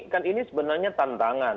kan ini sebenarnya tantangan